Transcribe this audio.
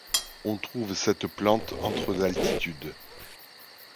On trouve cette plante entre d'altitude.